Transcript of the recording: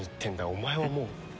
お前はもう。